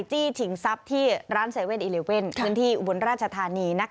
จี้ฉิงทรัพย์ที่ร้าน๗๑๑เมืองที่บนราชธานี